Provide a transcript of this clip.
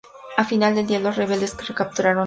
Al final del día, los rebeldes recapturaron al Zaza.